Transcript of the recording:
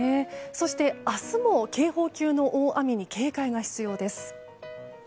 そして明日も警報級の大雨に警戒が必要です。